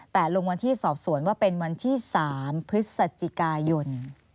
แต่ลงวันที่สอบสวนว่าเป็นวันที่๓พฤศจิกายน